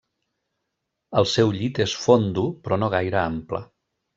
El seu llit és fondo però no gaire ample.